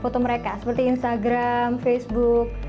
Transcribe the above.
foto mereka seperti instagram facebook